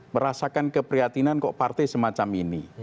merasakan keprihatinan kok partai semacam ini